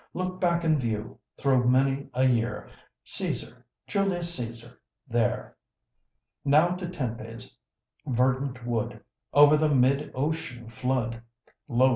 Look back and view, thro' many a year, Cæsar, Julius Cæsar, there. Now to Tempe's verdant wood, Over the mid ocean flood Lo!